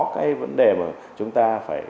cái vấn đề mà chúng ta